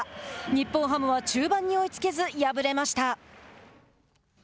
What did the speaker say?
日本ハムは中盤に追いつけず敗れました。